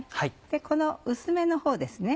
この薄めのほうですね